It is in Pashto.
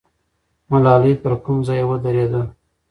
ملالۍ پر کوم ځای ودرېده؟